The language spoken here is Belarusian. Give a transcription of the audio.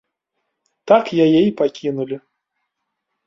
Так яе і пакінулі.